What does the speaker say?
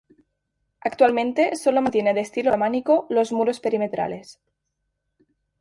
Actualmente sólo mantiene de estilo románico los muros perimetrales.